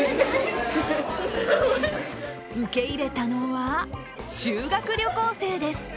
受け入れたのは、修学旅行生です。